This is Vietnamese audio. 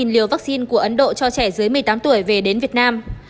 hai trăm linh liều vaccine của ấn độ cho trẻ dưới một mươi tám tuổi về đến việt nam